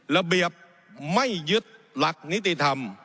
ระเบียบไม่ยึดหลักนิติธรรม